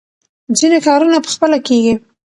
ځینې کارونه په خپله کېږي.